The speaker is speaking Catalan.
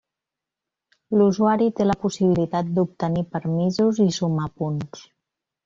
L'usuari té la possibilitat d'obtenir permisos i sumar punts.